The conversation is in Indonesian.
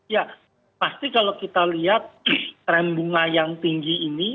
ya pasti kalau kita lihat tren bunga yang tinggi ini